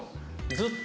「ずっと」